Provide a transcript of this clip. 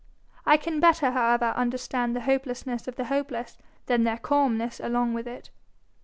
I can better, however, understand the hopelessness of the hopeless than their calmness along with it.